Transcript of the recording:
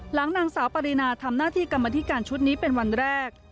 หลังนางสาวปรินาทำหน้าที่กรรมธิการชุดนี้เป็นวันแรก